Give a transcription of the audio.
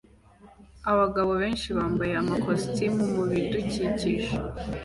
Abagabo benshi bambaye amakositimu mubidukikije